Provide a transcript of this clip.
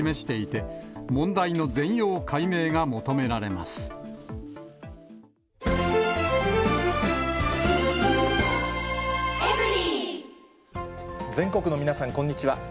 また、全国の皆さん、こんにちは。